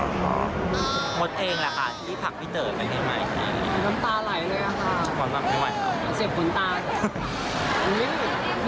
มดเองแหละค่ะที่ผลักพี่เต๋อไปให้มาอีกนิดนึง